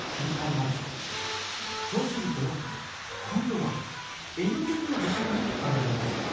そうすると今度はＮ極の磁石に引っぱられます。